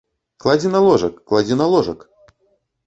Кладзі на ложак, кладзі на ложак.